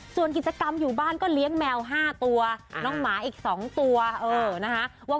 ส่วนกิจกรรมอยู่บ้านก็เลี้ยงแมว๕ตัวน้องหมาอีก๒ตัวนะคะ